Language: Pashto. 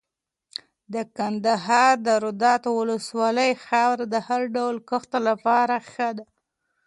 د ننګرهار د روداتو ولسوالۍ خاوره د هر ډول کښت لپاره ښه ده.